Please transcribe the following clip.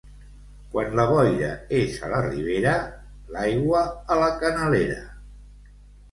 Quan la boira és a la ribera, l'aigua a la canalera.